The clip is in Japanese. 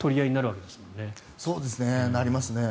そうですね、なりますね。